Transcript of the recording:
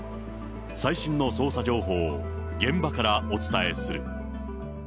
最新の捜査情報を現場からお伝えする。